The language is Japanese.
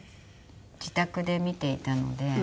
自宅で見ていたので。